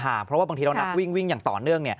เพราะว่าบางทีเรานักวิ่งวิ่งอย่างต่อเนื่อง